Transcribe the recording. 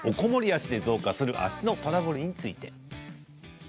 増加する足のトラブルについて。